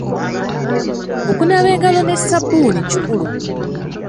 Okunaaba engalo ne ssabbuuni kikulu.